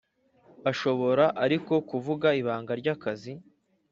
Ashobora ariko kuvuga ibanga ry akazi